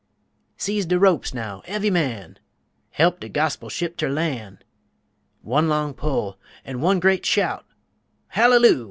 Seize de ropes, now, ev'y man, He'p de gospel ship ter lan', One long pull an' one gre't shout, Hallelu!